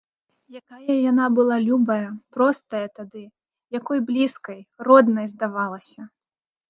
Якая яна была любая, простая тады, якой блізкай, роднай здавалася!